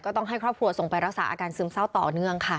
ต้องให้ครอบครัวส่งไปรักษาอาการซึมเศร้าต่อเนื่องค่ะ